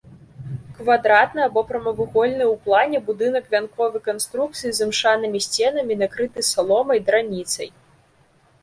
Квадратны або прамавугольны ў плане будынак вянковай канструкцыі з імшанымі сценамі, накрыты саломай, драніцай.